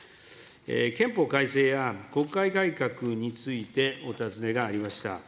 憲法改正や国会改革についてお尋ねがありました。